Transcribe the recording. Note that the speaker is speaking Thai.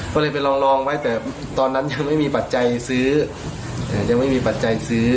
ก็เลยไปลองไว้แต่ตอนนั้นยังไม่มีปัจจัยซื้อ